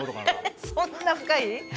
えっそんな深い？